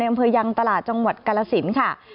ในกำเภยังตลาดจังหวัดกรสินค่ะ